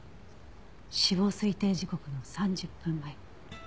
死亡推定時刻の３０分前。